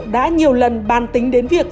đã nhiều lần bàn tính đến việc